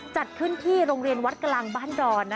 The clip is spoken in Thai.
จัดขึ้นที่โรงเรียนวัดกลางบ้านดอน